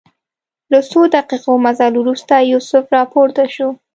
له څو دقیقو مزل وروسته یوسف راپورته شو.